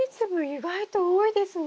意外と多いですね。